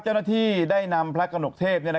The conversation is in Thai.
เจ้าหน้าที่ได้นำพระกระหนกเทพ